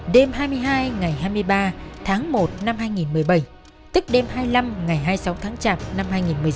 đêm hai mươi hai ngày hai mươi ba tháng một năm hai nghìn một mươi bảy tức đêm hai mươi năm ngày hai mươi sáu tháng chạp năm hai nghìn một mươi sáu